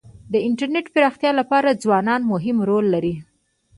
د انټرنېټ د پراختیا لپاره ځوانان مهم رول لري.